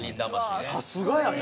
さすがやね。